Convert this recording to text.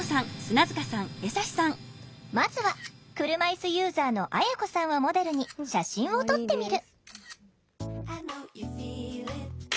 まずは車いすユーザーのあやこさんをモデルに写真を撮ってみる。